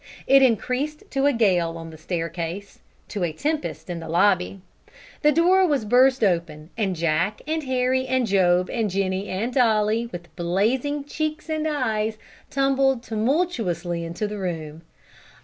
It increased to a gale on the staircase, to a tempest in the lobby. The door was burst open, and Jack, and Harry, and Job, and Jenny, and Dolly, with blazing cheeks and eyes, tumbled tumultuously into the room.